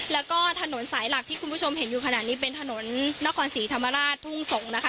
แล้วก็ถนนสายหลักที่คุณผู้ชมเห็นอยู่ขนาดนี้เป็นถนนนครศรีธรรมราชทุ่งสงศ์นะคะ